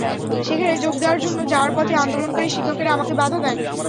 সেখানে যোগ দেওয়ার জন্য যাওয়ার পথে আন্দোলনকারী শিক্ষকেরা আমাকে বাধা দেন।